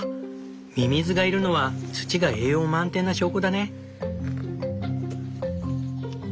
ミミズがいるのは土が栄養満点な証拠だね。